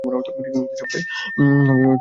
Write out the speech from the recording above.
ত্রিকোণমিতি শব্দের অর্থ কী?